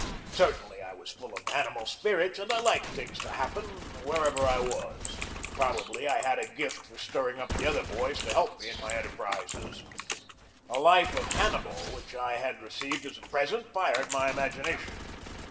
Certainly I was full of animal spirits, and I liked things to hap pen wherever I was. Probably I had a gift for stir ring up the other boys to help me in my enterprises. A life of Hannibal which I had received as a present fired my imagination.